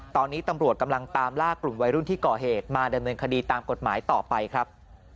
ตอนนี้ตำรวจกำลังตามล่ากลุ่มวัยรุ่นที่ก่อเหตุมาดำเนินคดีตามกฎหมายต่อไปครับ